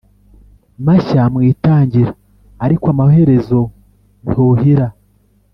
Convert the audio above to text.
mashya mu itangira, ariko amaherezo ntuhira